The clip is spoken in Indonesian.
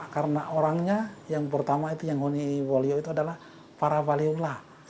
karena orangnya yang pertama yang menghuni wolio itu adalah para valio lah